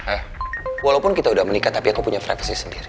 ah walaupun kita udah menikah tapi aku punya prestasi sendiri